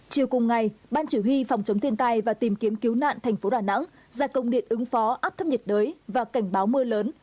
chiều cùng ngày ban chỉ huy phòng chống thiên tai và tìm kiếm cứu nạn thành phố đà nẵng ra công điện ứng phó áp thấp nhiệt đới và cảnh báo mưa lớn